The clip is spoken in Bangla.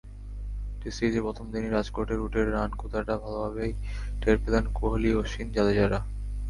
টেস্ট সিরিজের প্রথম দিনই রাজকোটে রুটের রান-ক্ষুধাটা ভালোভাবেই টের পেলেন কোহলি-অশ্বিন-জাদেজারা।